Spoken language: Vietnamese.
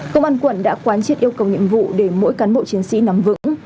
công an quận đã quán triệt yêu cầu nhiệm vụ để mỗi cán bộ chiến sĩ nắm vững